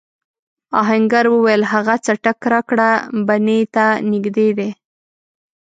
آهنګر وویل هغه څټک راکړه بنۍ ته نږدې دی.